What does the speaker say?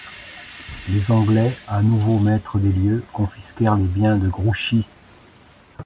Les Anglais à nouveau maîtres des lieux confisquèrent les biens des Grouchy.